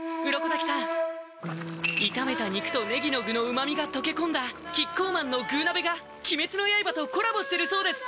鱗滝さん炒めた肉とねぎの具の旨みが溶け込んだキッコーマンの「具鍋」が鬼滅の刃とコラボしてるそうです